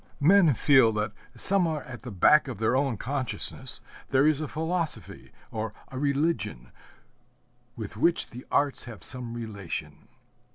Men feel that somewhere at the back of their own consciousness there is a philosophy or a religion with which the arts have some relation.